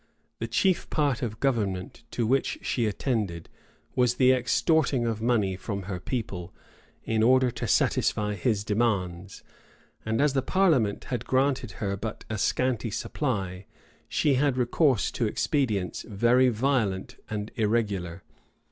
The chief part of government to which she attended, was the extorting of money from her people, in order to satisfy his demands; and as the parliament had granted her but a scanty supply, she had recourse to expedients very violent and irregular.